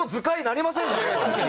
確かに。